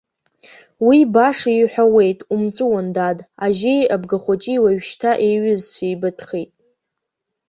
Уи баша иҳәауеит, умҵәуан, дад, ажьеи абгахәыҷи уажәшьҭа еиҩызцәеибатәхьеит.